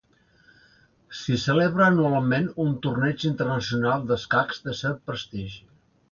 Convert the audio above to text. S'hi celebra anualment un torneig internacional d'escacs de cert prestigi.